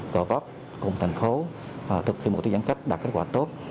gò vấp cùng thành phố thực hiện một tư giãn cách đạt kết quả tốt